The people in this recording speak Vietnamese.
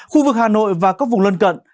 khu vực hà nội và các vùng lân cận